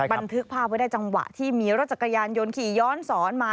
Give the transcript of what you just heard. บันทึกภาพไว้ได้จังหวะที่มีรถจักรยานยนต์ขี่ย้อนสอนมา